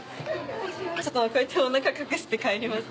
ちょっとこうやっておなか隠して帰ります。